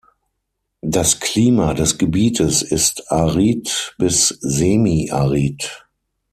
Das Klima des Gebietes ist arid bis semi-arid.